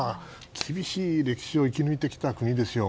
厳しい歴史を生き抜いてきた国ですよ。